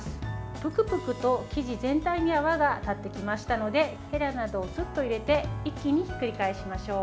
ぷくぷくと生地全体に泡が立ってきましたのでへらなどを、すっと入れて一気にひっくり返しましょう。